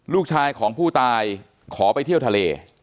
ลูกชายของผู้ตายขอไปเที่ยวทะเล